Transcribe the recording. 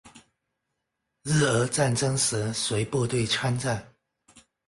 日俄战争时随部队参战。